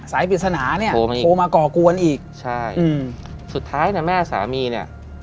ปริศนาเนี่ยโทรมาก่อกวนอีกใช่อืมสุดท้ายเนี่ยแม่สามีเนี่ย